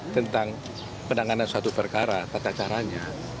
tentang penanganan suatu perkara